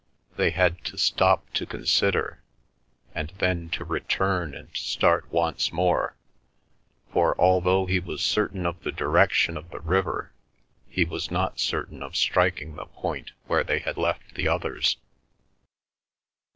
They had to stop to consider, and then to return and start once more, for although he was certain of the direction of the river he was not certain of striking the point where they had left the others.